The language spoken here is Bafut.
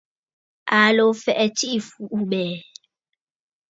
Aa lǒ fɛ̀ʼ̀ɛ̀ tsiʼi a mfuʼubɛ̀ɛ̀.